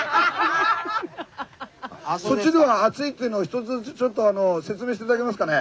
そっちでは暑いっていうのを一つずつちょっと説明して頂けますかね？